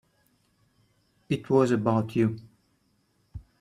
It was about you.